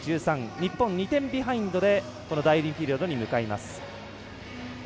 日本、２点ビハインドで第２ピリオドに向かいます。